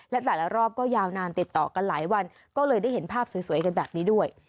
และแต่ละรอบก็ยาวนานติดต่อกันหลายวันก็เลยได้เห็นภาพสวยกันแบบนี้ด้วย